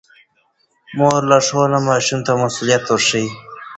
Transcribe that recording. د مور لارښوونه ماشوم ته مسووليت ورښيي.